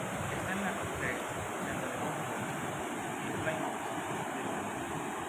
Está en la costa este, frente a Devonport en Plymouth, Devon.